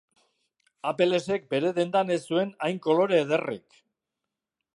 Apelesek bere dendan ez zuen hain kolore ederrik.